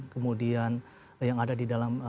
kemudian yang ada di dalam